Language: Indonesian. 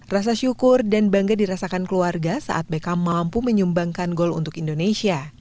rasa syukur dan bangga dirasakan keluarga saat beckham mampu menyumbangkan gol untuk indonesia